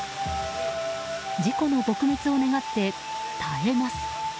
事故の撲滅を願って耐えます。